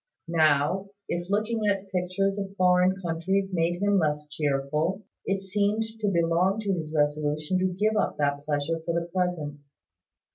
Now, if looking at pictures of foreign countries made him less cheerful, it seemed to belong to his resolution to give up that pleasure for the present.